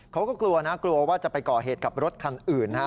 เขาก็กลัวนะกลัวว่าจะไปก่อเหตุกับรถคันอื่นนะฮะ